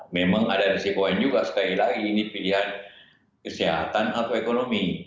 memang ada resiko yang juga sekali lagi ini pilihan kesehatan atau ekonomi